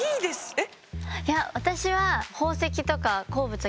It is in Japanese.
えっ？